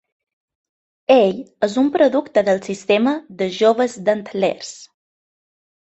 Ell és un producte del sistema de joves d'Antlers.